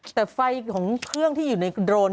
แต่ไฟของเครื่องที่อยู่ในโดรน